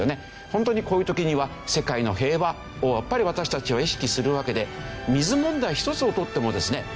本当にこういう時には世界の平和をやっぱり私たちは意識するわけで水問題ひとつを取ってもですね